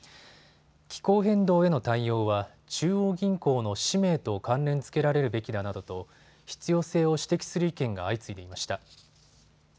気候変動への対応は中央銀行の使命と関連付けられるべきだなどと必要性を指摘する意見が相次いでいました。